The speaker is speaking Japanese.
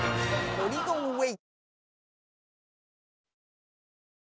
ポリゴンウェイヴ！